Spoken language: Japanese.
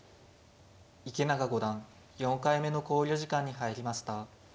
池永五段４回目の考慮時間に入りました。